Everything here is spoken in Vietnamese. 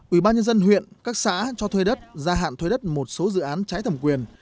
ủy ban nhân dân huyện các xã cho thuê đất gia hạn thuế đất một số dự án trái thẩm quyền